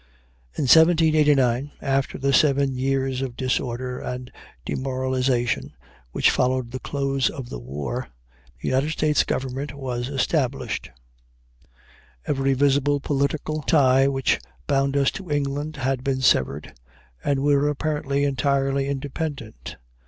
In 1789, after the seven years of disorder and demoralization which followed the close of the war, the United States government was established. Every visible political tie which bound us to England had been severed, and we were apparently entirely independent.